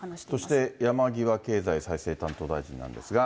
そして山際経済再生担当大臣なんですが。